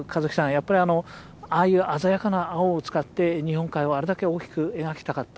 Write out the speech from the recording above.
やっぱりああいう鮮やかな青を使って日本海をあれだけ大きく描きたかった。